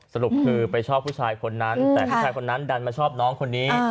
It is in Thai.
สรุปคือไปชอบผู้ชายคนนั้นแต่ผู้ชายคนนั้นดันมาชอบน้องคนนี้